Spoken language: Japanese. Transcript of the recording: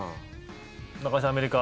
中居さん、アメリカ